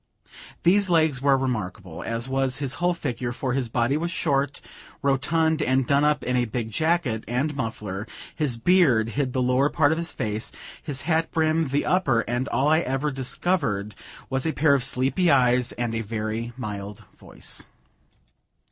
These legs were remarkable, as was his whole figure, for his body was short, rotund, and done up in a big jacket, and muffler; his beard hid the lower part of his face, his hat brim the upper; and all I ever discovered was a pair of sleepy eyes, and a very mild voice.